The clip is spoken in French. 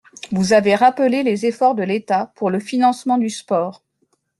Vous avez rappelé les efforts de l’État pour le financement du sport.